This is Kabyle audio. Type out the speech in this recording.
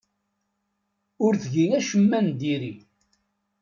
Ur tgi acemma n diri.